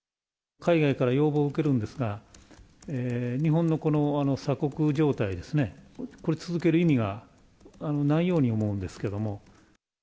海外から要望を受けるんですが、日本のこの鎖国状態ですね、これ、続ける意味がないように思